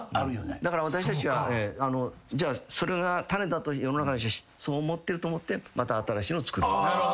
だから私たちはそれがタネだと世の中の人そう思ってると思ってまた新しいの作る。